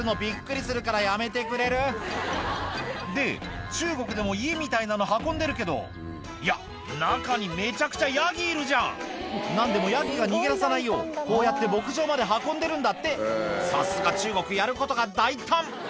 で中国でも家みたいなの運んでるけどいや中にめちゃくちゃヤギいるじゃん何でもヤギが逃げ出さないようこうやって牧場まで運んでるんだってさすが中国やることが大胆